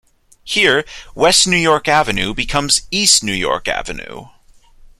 Here, West New York Avenue becomes East New York Avenue.